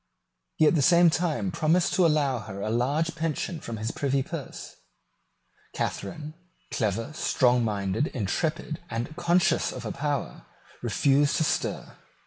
He at the same time promised to allow her a large pension from his privy purse. Catharine, clever, strongminded, intrepid, and conscious of her power, refused to stir.